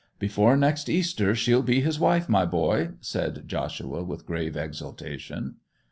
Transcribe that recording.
'Before next Easter she'll be his wife, my boy,' said Joshua with grave exultation.